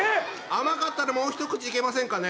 甘かったんでもう一口いけませんかね？